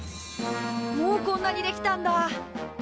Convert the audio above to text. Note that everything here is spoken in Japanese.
もうこんなにできたんだ！